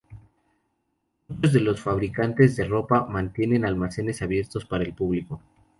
Muchos de los fabricantes de ropa mantienen almacenes abiertos para el público.